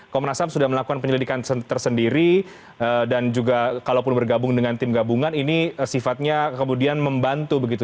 komnas ham sudah melakukan penyelidikan tersendiri dan juga kalaupun bergabung dengan tim gabungan ini sifatnya kemudian membantu begitu